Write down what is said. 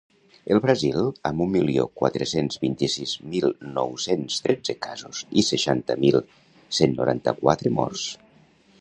El Brasil, amb un milió quatre-cents vint-i-sis mil nou-cents tretze casos i seixanta mil cent noranta-quatre morts.